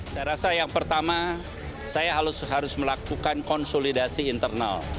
saya rasa yang pertama saya harus melakukan konsolidasi internal